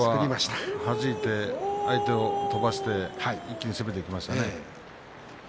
はじいて相手を飛ばして一気に出ていきましたね。